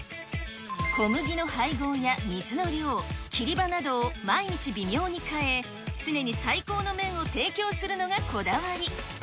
小麦の配合や水の量、切り刃などを毎日微妙に変え、常に最高の麺を提供するのがこだわり。